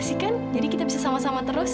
asik kan jadi kita bisa sama sama terus